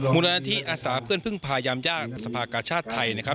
มูลนิธิอาสาเพื่อนพึ่งพายามยากสภากาชาติไทยนะครับ